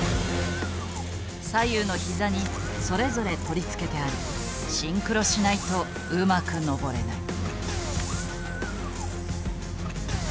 左右の膝にそれぞれ取り付けてありシンクロしないとうまく登れない。